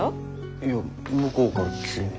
いや向こうから急に。